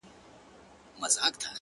o هغې ويل په پوري هـديــره كي ښخ دى ـ